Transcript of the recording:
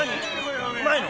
うまいの？